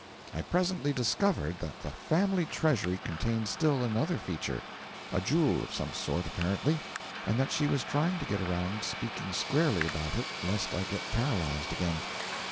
I presently discovered that the family treasury contained still another feature a jewel of some sort, apparently and that she was trying to get around speaking squarely about it, lest I get paralysed again.